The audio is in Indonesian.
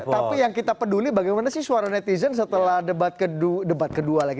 tapi yang kita peduli bagaimana sih suara netizen setelah debat kedua lagi